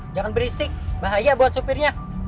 jangan berisik bahaya buat sopirnya